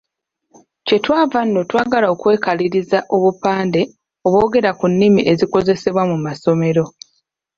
Kye twava nno twagala okwekaliriza obupande obwogera ku nnimi ezikozesebwa mu masomero.